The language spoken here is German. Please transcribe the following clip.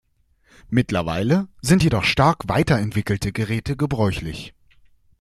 Mittlerweile sind jedoch stark weiterentwickelte Geräte gebräuchlich.